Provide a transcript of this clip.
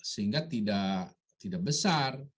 sehingga tidak besar